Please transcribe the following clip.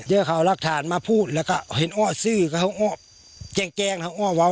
เจอเขารักฐานมาพูดแล้วก็เห็นอ้อซื้อก็เขาอ้อแจงแจงเขาอ้อว้าว